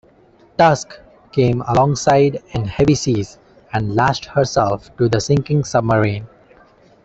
"Tusk" came alongside in heavy seas and lashed herself to the sinking submarine.